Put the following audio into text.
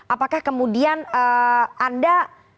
apakah kemudian anda